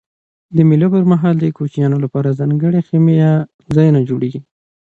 د مېلو پر مهال د کوچنيانو له پاره ځانګړي خیمې یا ځایونه جوړېږي.